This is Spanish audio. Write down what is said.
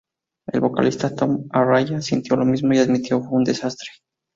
El vocalista Tom Araya sintió lo mismo y admitió; "fue un desastre.